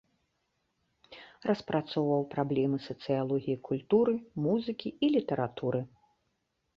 Распрацоўваў праблемы сацыялогіі культуры, музыкі і літаратуры.